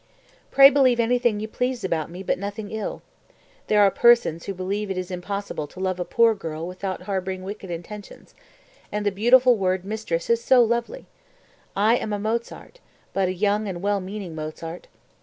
242. "Pray believe anything you please about me but nothing ill. There are persons who believe it is impossible to love a poor girl without harboring wicked intentions; and the beautiful word mistress is so lovely! I am a Mozart, but a young and well meaning Mozart.